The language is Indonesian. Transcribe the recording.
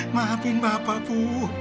maapin bapak bu